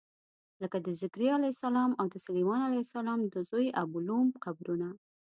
لکه د ذکریا علیه السلام او د سلیمان علیه السلام د زوی ابولوم قبرونه.